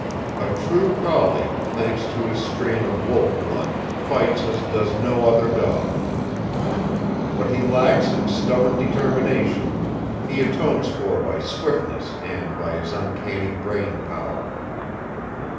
A true collie thanks to his strain of wolf bloodfights as does no other dog. What he lacks in stubborn determination he atones for by swiftness and by his uncanny brain power.